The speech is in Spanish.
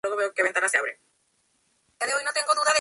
La estrella amarilla representa la luminosa guía de la revolución.